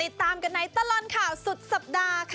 ติดตามกันในตลอดข่าวสุดสัปดาห์ค่ะ